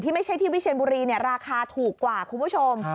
ไม่ใช่ที่วิเชียนบุรีราคาถูกกว่าคุณผู้ชม